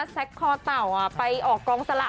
แซคคอต่ออ่ะไปออกกองสละ